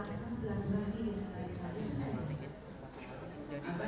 ketika saya tiga hari di istana